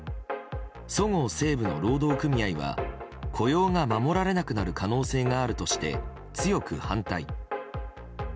そごう・西武の労働組合は雇用が守られなくなる可能性があるとして強く反対。